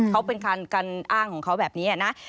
เขาเป็นการอ้างของเขาแบบนี้นะ